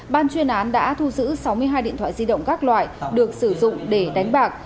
ban chuyên án đã thu giữ sáu mươi hai điện thoại di động các loại được sử dụng để đánh bạc